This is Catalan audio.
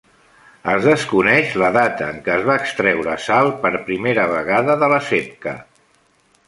Es desconeix la data en què es va extreure sal per primera vegada de la sebkha.